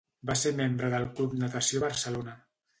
Va ser membre del Club Natació Barcelona.